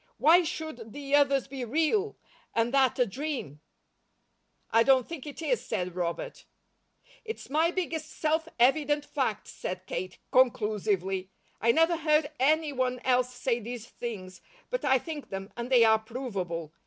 Why should the others be real, and that a dream?" "I don't think it is," said Robert. "It's my biggest self evident fact," said Kate, conclusively. "I never heard any one else say these things, but I think them, and they are provable.